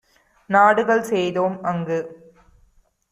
நாடுகள் செய்தோம் - அங்கு